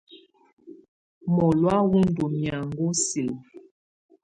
Mɔlɔ̀á wɔ ndɔ́ mɛaŋɔ silǝ.